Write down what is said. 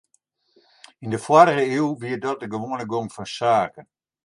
Yn de foarrige iuw wie dat de gewoane gong fan saken.